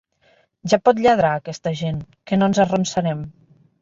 Ja pot lladrar, aquesta gent, que no ens arronsarem!